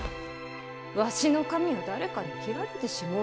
わしの髪は誰かに切られてしもうたからのぅ。